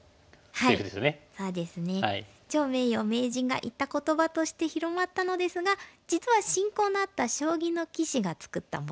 趙名誉名人が言った言葉として広まったのですが実は親交のあった将棋の棋士が作ったものなんですよね。